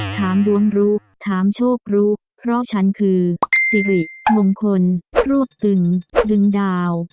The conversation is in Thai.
ถามดวงรู้ถามโชครู้เพราะฉันคือสิริมงคลรวบตึงดึงดาว